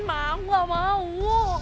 mak gak mau